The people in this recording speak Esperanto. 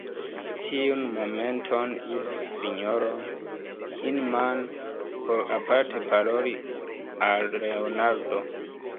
Tiun momenton uzis sinjoro Inman, por aparte paroli al Leonardo.